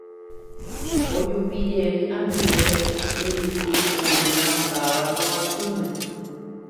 Ojupijey ambue yvyty oĩva táva Tovatĩme.